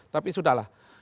tapi sudah lah